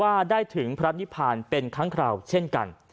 เสมือนว่าได้ถึงพระอนิผารเป็นครั้งคราวเช่นกัน